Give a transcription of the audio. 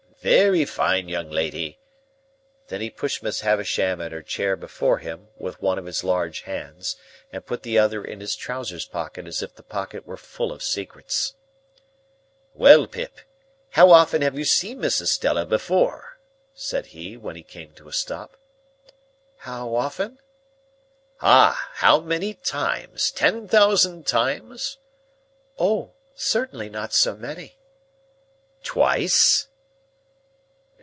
Very fine young lady!" Then he pushed Miss Havisham in her chair before him, with one of his large hands, and put the other in his trousers pocket as if the pocket were full of secrets. "Well, Pip! How often have you seen Miss Estella before?" said he, when he came to a stop. "How often?" "Ah! How many times? Ten thousand times?" "Oh! Certainly not so many." "Twice?"